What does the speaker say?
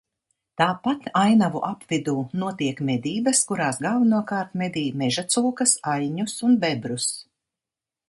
Tāpat ainavu apvidū notiek medības, kurās galvenokārt medī mežacūkas, aļņus un bebrus.